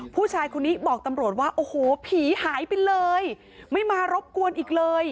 ผู้ชายคนนี้บอกตำรวจว่าโอ้โหผีหายไปเลยไม่มารบกวนอีกเลย